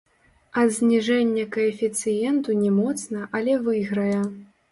Ад зніжэння каэфіцыенту не моцна, але выйграе.